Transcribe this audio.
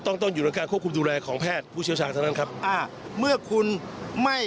นี่เขาไม่ได้ไปภักดีภักดีแรกนี่